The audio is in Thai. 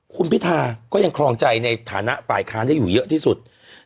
คุณพิธาก็ยังครองใจในฐานะฝ่ายค้านได้อยู่เยอะที่สุด